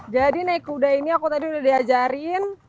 jadi naik kuda ini aku tadi sudah diajarin